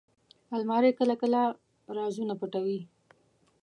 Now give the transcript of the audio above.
الماري کله کله رازونه پټوي